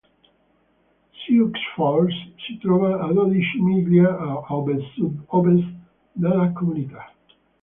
Sioux Falls si trova a dodici miglia a ovest-sud-ovest della comunità.